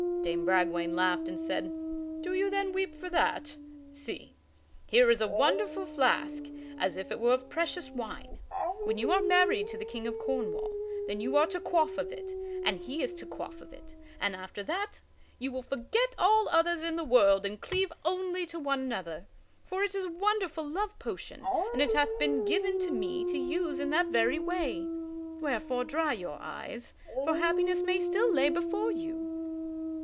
Dame Bragwaine laughed and said: "Do you then weep for that? See! Here is a wonderful flask as it were of precious wine. When you are married to the King of Cornwall, then you are to quaff of it and he is to quaff of it and after that you will forget all others in the world and cleave only to one another. For it is a wonderful love potion and it hath been given to me to use in that very way. Wherefore dry your eyes, for happiness may still lay before you."